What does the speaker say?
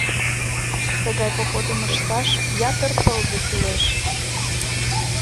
Тыгай походым ышташ ятыр тылзе кӱлеш.